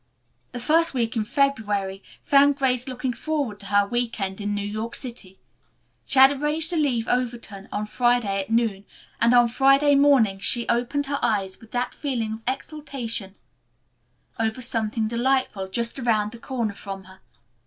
The first week in February found Grace looking forward to her week end in New York City. She had arranged to leave Overton on Friday at noon, and on Friday morning she opened her eyes with that feeling of exultation over something delightful just around the corner from her.